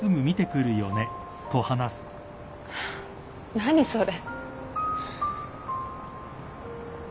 何それ。